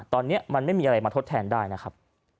ตอนนี้มันไม่มีอะไรมาทดแทนได้นะครับ